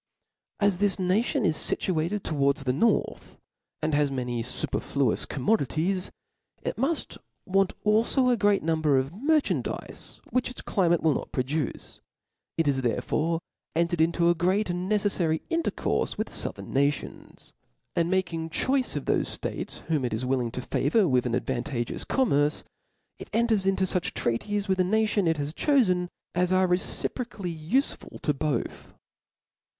As O F L A W S. iii As thig nation is fkaate4 towards the north, and Book has many fuperfluous commodities^ it muft want(;^|^^^^ alfo a great number of merchandizes which itscU* mace will not produce : it has therefore entered into z great and neceflary intercourfe with the fouthera nations \ and making choice of thofeftates whom it is wUliog to favour with an advantageous com*^ nxerce, it enters into fucb treaties with the nation it has cholbn, as are re^ciprocally ufeful to both.